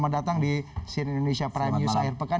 datang di sini indonesia prime news